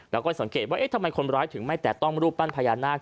แล้วก็สังเกตว่าทำไมคนร้ายถึงไม่แตะต้องรูปปั้นพญานาค